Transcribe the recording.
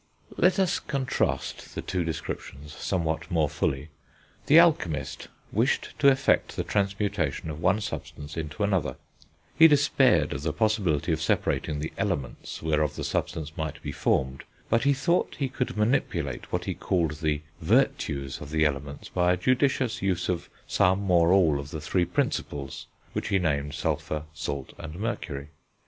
Let us contrast the two descriptions somewhat more fully. The alchemist wished to effect the transmutation of one substance into another; he despaired of the possibility of separating the Elements whereof the substance might be formed, but he thought he could manipulate what he called the virtues of the Elements by a judicious use of some or all of the three Principles, which he named Sulphur, Salt, and Mercury.